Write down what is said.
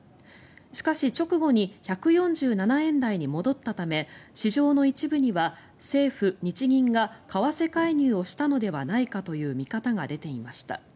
しかし、直後に１４７円台に戻ったため市場の一部には政府・日銀が為替介入をしたのではないかという見方が出ていました。